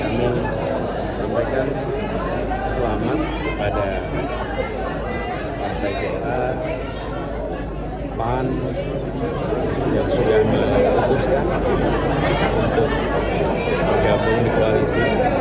saya ingin sampaikan selamat kepada partai dpr pan yang sudah memutuskan untuk bergabung di koalisi